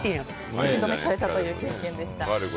口止めされたという経験でした。